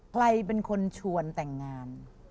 ใครเป็นคนชวนแต่งงาน